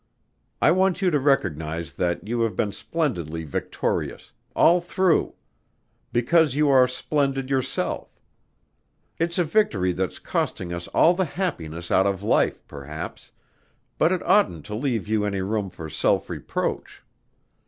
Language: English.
I want you to recognize that you have been splendidly victorious all through: because you are splendid yourself. It's a victory that's costing us all the happiness out of life, perhaps, but it oughtn't to leave you any room for self reproach.